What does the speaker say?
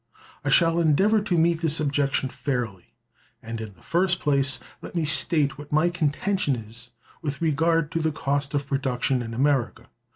I shall endeavor to meet this objection fairly, and, in the first place, let me state what my contention is with regard to the cost of production in America.